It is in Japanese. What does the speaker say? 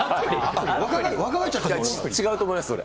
違うと思います、それ。